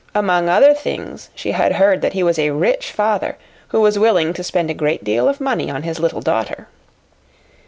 Among other things, she had heard that he was a rich father who was willing to spend a great deal of money on his little daughter.